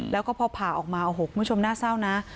แล้วก็พอผ่าออกมาโอ้โหคุณผู้ชมน่าเศร้านะ